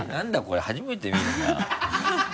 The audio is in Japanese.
これ初めて見るな。